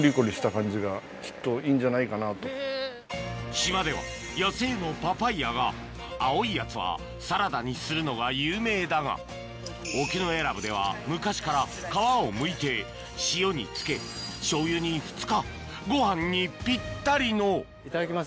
島では野生のパパイヤが青いやつはサラダにするのが有名だが沖永良部では昔から皮をむいて塩に漬け醤油に２日ご飯にぴったりのいただきます。